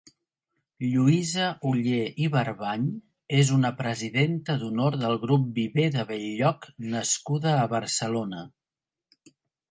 Lluïsa Oller i Barbany és una presidenta d'honor del Grup Viver de Bell-lloc nascuda a Barcelona.